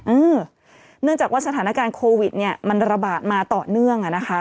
เนื่องจากว่าสถานการณ์โควิดเนี่ยมันระบาดมาต่อเนื่องอ่ะนะคะ